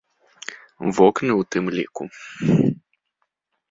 Вокны ў тым ліку.